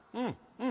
うん。